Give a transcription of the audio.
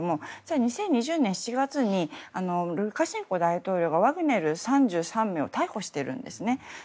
２０２０年７月にルカシェンコ大統領がワグネル３３名を逮捕しているんですね。